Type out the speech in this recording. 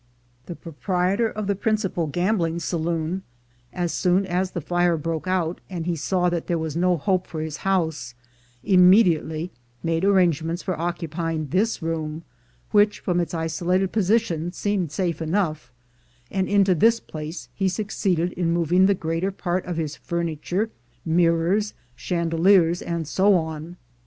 The proprietor of the principal gambling saloon, as soon as the fire broke out and he saw that there was no hope for his house, imme diately made arrangements for occupying this room, which, from its isolated position, seemed safe enough; and into this place he succeeded in moving the greater part of his furniture, mirrors, chandeliers, and so on.